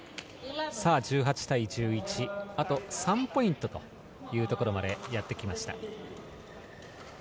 １８対１１あと３ポイントというところまでやってきました。